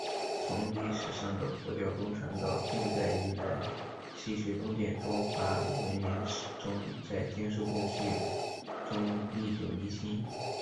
从历史上的佛教东传……到近代以来的“西学东渐”……中华文明始终在兼收并蓄中历久弥新。